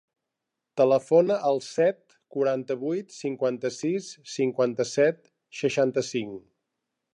Telefona al set, quaranta-vuit, cinquanta-sis, cinquanta-set, seixanta-cinc.